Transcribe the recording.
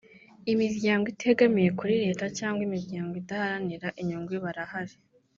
Imiryango itegamiye kuri Leta cyangwa Imiryango Idaharanira inyungu barahari